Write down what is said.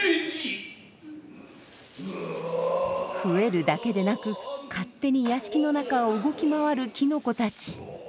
増えるだけでなく勝手に屋敷の中を動き回るキノコたち。